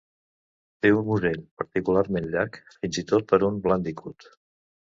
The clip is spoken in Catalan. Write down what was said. Té un musell particularment llarg, fins i tot per un bàndicut.